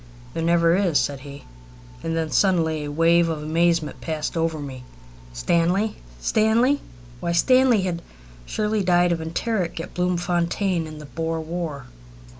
"There never is," said he. And then suddenly a wave of amazement passed over me. Stanley! Stanley! Why, Stanley had surely died of enteric at Bloemfontein in the Boer War!